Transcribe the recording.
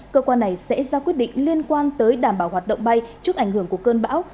cơ quan này sẽ ra quyết định liên quan tới đảm bảo hoạt động bay trước ảnh hưởng của cơn bão